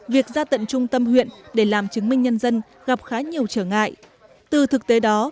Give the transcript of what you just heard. việc ra tận trung tâm huyện để làm chứng minh nhân dân gặp khá nhiều trở ngại từ thực tế đó